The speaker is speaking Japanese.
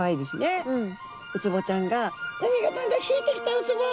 ウツボちゃんが「海がだんだん引いてきたウツボ！